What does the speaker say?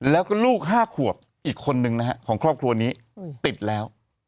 แล้วก็ลูก๕ขวบอีกคนนึงนะฮะของครอบครัวนี้ติดแล้ว